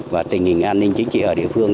và tình hình an ninh chính trị ở địa phương